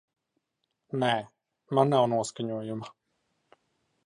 Nē, man nav noskaņojuma.